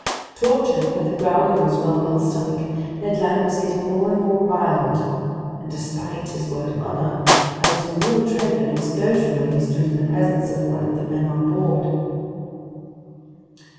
Tortured by the growling of his well built stomach, Ned Land was getting more and more riled, and despite his word of honor, I was in real dread of an explosion when he stood in the presence of one of the men on board.